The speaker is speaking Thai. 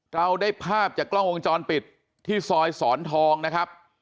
เราได้ภาพจากกล้องวงจรปิดที่ซอยสอนทองนะครับ